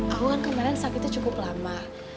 aku kan kemarin sakitnya cukup lama